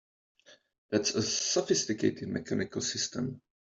That's a sophisticated mechanical system!